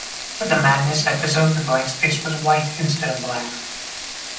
For the "Madness" episode, the blank space was white instead of black.